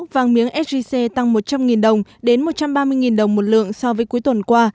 vàng miếng sgc tăng một trăm linh đồng đến một trăm ba mươi đồng một lượng so với cuối tuần qua